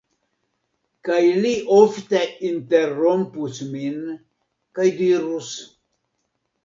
Kaj li ofte interrompus min, kaj dirus: